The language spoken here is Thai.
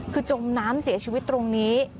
คือจมน้ำเสียชีวิตตรงนี้